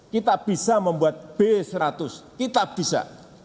kita bisa membuat b seratus kita bisa